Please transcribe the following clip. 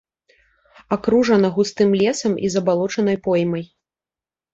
Акружана густым лесам і забалочанай поймай.